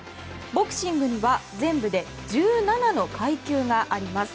ボクシングには全部で１７の階級があります。